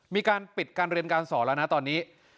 มีการปิดการเรียนการสอนแล้วนะตอนนี้